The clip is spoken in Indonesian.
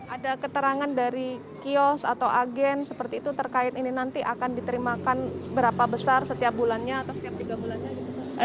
ada keterangan dari kios atau agen seperti itu terkait ini nanti akan diterimakan seberapa besar setiap bulannya atau setiap tiga bulan saja